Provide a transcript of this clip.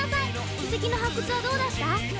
遺跡の発掘はどうだった？